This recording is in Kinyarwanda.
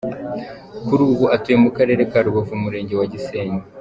Kuri ubu atuye mu Karere ka Rubavu mu Murenge wa Gisenyi.